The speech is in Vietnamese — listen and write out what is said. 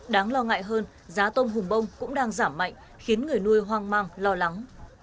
đáng lo ngại hơn giá tôm hùm bông cũng đang giảm mạnh khiến người nuôi hoang mang lo lắng